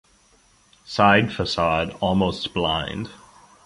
Side facade almost blind.